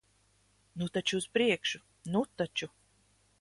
Nu taču, uz priekšu. Nu taču!